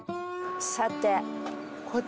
さて。